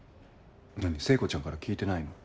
聖子ちゃんから聞いてないの？